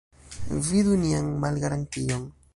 Vidu nian malgarantion.